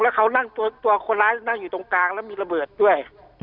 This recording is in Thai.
แล้วเขานั่งตัวคนร้ายนั่งอยู่ตรงกลางแล้วมีระเบิดด้วย